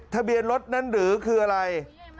ทะเบียนรถนั้นหรือคืออะไร